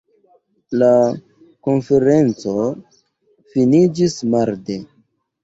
La konferenco finiĝis marde.